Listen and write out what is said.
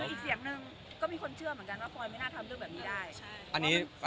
อีกเสียงหนึ่งก็มีคนเชื่อเหมือนกันว่าฟอยไม่น่าทำเรื่องแบบนี้ได้